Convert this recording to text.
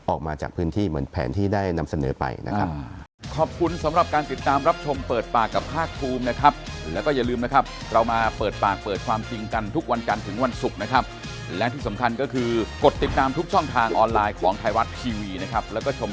ออกมาจากพื้นที่เหมือนแผนที่ได้นำเสนอไปนะครับ